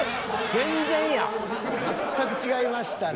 全く違いましたね。